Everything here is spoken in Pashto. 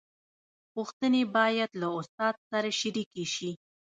پوښتنې باید له استاد سره شریکې شي.